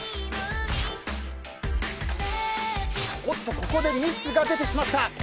おっとここでミスが出てしまった。